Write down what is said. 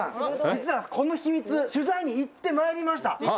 実はこの秘密取材に行ってまいりました！